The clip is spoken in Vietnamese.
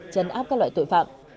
chấn áp các loại tội phạm